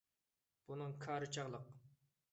بۇنىڭ كارى چاغلىق.